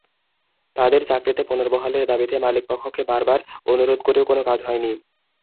তাঁদের চাকরিতে পুনর্বহালের দাবিতে মালিকপক্ষকে বারবার অনুরোধ করেও কোনো কাজ হয়নি।